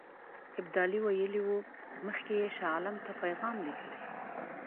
ابدالي ویلي وو مخکې یې شاه عالم ته پیغام لېږلی.